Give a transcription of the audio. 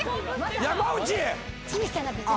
山内！